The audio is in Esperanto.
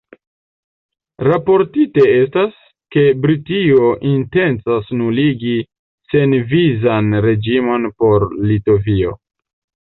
Raportite estas, ke Britio intencas nuligi senvizan reĝimon por Litovio.